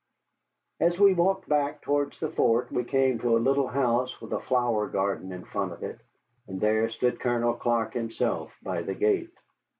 As we walked back towards the fort we came to a little house with a flower garden in front of it, and there stood Colonel Clark himself by the gate.